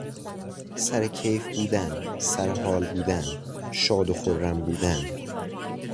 سر کیف بودن، سر حال بودن، شاد و خرم بودن